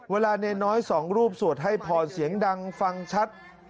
เวลาเนน้อยสองรูปสวดให้พรเสียงดังฟังชัด